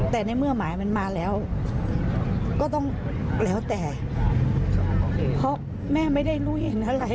แต่ในเมื่อหมายมันมาแล้วก็ต้องแล้วแต่เพราะแม่ไม่ได้รู้เห็นอะไร